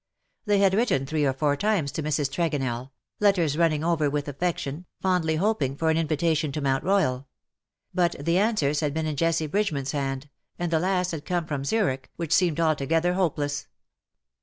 They had written three or four times to Mrs^ Tregonell, letters running over with affection, fondly hoping for an invitation to Mount Royal ; but the answers had been in Jessie Bridgeman^s hand, and the last had come from Zurich, which seemed alto gether hopeless.